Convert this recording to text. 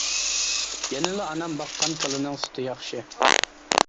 يەنىلا ئانام باققان كالىنىڭ سۈتى ياخشى.